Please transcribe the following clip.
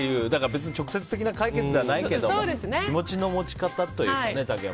別に直接的な解決ではないけど気持ちの持ち方というかね